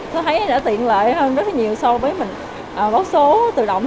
tôi thấy đã tiện lợi hơn rất nhiều so với báo số tự động